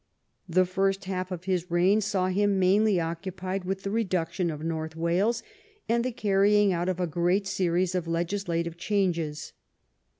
The first half of his reign saw him mainly occupied with the reduction of North Wales and the carrying out of a great series of legislative changes.